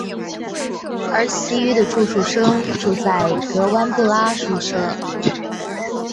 而其余的住宿生住在格湾布拉宿舍。